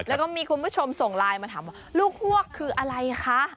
แล้วก็มีคุณผู้ชมส่งไลน์มาถามว่าลูกฮวกคืออะไรคะ